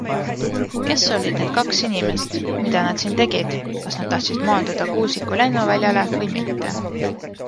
Kes olid need kaks inimest, mida nad siin tegid, kas nad tahtsid maanduda Kuusiku lennuväljale või mitte.